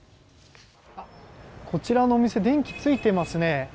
こちらのお店電気がついていますね。